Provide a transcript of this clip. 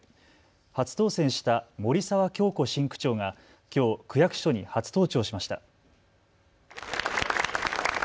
初当選した森澤恭子新区長がきょう区役所に初登庁しました。